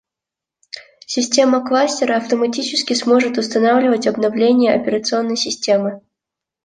Система кластера автоматически сможет устанавливать обновления операционной системы